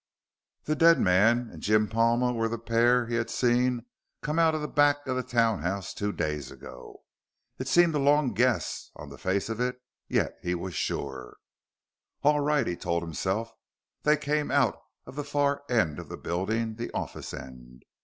The dead man and Jim Palma were the pair he had seen come out of the back of the townhouse two days ago! It seemed a long guess, on the face of it; yet he was sure. All right, he told himself. _They came out of the far end of the building, the office end.